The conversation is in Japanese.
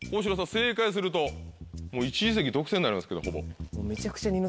正解すると１位席独占になりますけどほぼ。